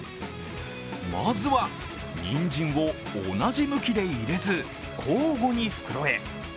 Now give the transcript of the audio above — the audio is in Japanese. まずは、にんじんを同じ向きで入れず、交互に袋へ。